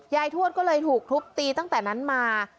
ทวดก็เลยถูกทุบตีตั้งแต่นั้นมา